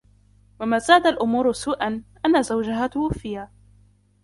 وما زاد الأمور سوءًا ، أن زوجها توفي.